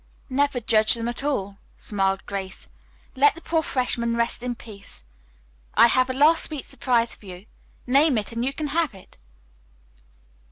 "Never judge them at all," smiled Grace. "Let the poor freshman rest in peace. I have a last sweet surprise for you. Name it and you can have it."